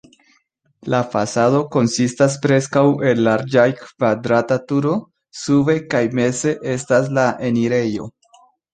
La fasado konsistas preskaŭ el larĝa kvadrata turo, sube kaj meze estas la enirejo.